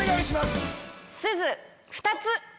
すず２つ！